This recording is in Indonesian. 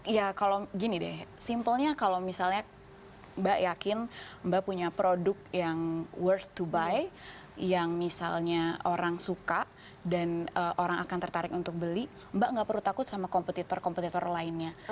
ya kalau gini deh simpelnya kalau misalnya mbak yakin mbak punya produk yang world to buy yang misalnya orang suka dan orang akan tertarik untuk beli mbak nggak perlu takut sama kompetitor kompetitor lainnya